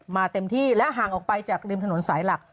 เต็มที่และห่างออกไปจากริมถนนสายหลัก